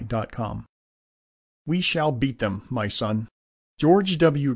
"WE SHALL BEAT THEM, MY SON!" George W.